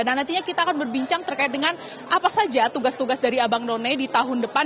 nah nantinya kita akan berbincang terkait dengan apa saja tugas tugas dari abang none di tahun depan